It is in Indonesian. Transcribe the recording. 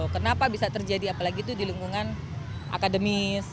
kenapa bisa terjadi apalagi itu di lingkungan akademis